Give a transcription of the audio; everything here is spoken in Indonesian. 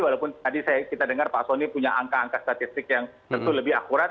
walaupun tadi kita dengar pak soni punya angka angka statistik yang tentu lebih akurat